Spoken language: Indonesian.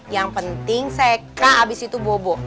yang penting seka abis itu bobo